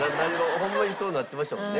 ホンマにそうなってましたもんね。